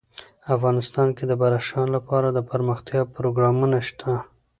افغانستان کې د بدخشان لپاره دپرمختیا پروګرامونه شته.